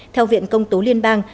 theo viện công tố liên bang